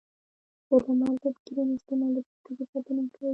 د لمر ضد کریم استعمال د پوستکي ساتنه کوي.